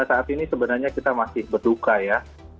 saat ini sebenarnya kita masih berduka ya